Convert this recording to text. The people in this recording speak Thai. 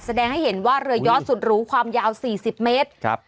แสดงให้เห็นว่าเรือยอดสุดหรูความยาว๔๐เมตรครับ